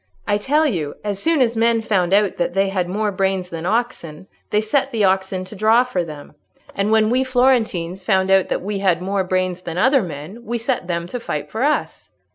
I tell you, as soon as men found out that they had more brains than oxen, they set the oxen to draw for them; and when we Florentines found out that we had more brains than other men we set them to fight for us."